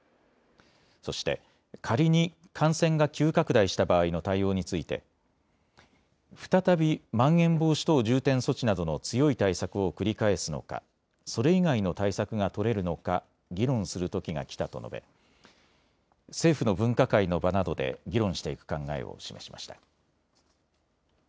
そして仮に感染が急拡大した場合の対応について再びまん延防止等重点措置などの強い対策を繰り返すのかそれ以外の対策が取れるのか議論するときがきたと述べ政府の分科会の場などで議論していく考えを示しました。